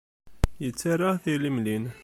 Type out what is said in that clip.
Yettarra tilimlin.